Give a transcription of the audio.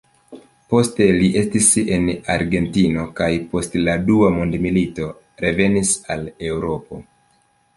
Poste li estis en Argentino kaj post la Dua Mondmilito revenis al Eŭropo.